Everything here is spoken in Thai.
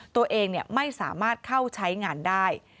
ตัวเองไม่สามารถเข้าใช้งานได้